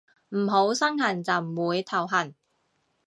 唔好身痕就唔會頭痕